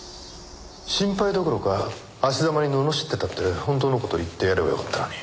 心配どころか悪し様に罵ってたって本当の事言ってやればよかったのに。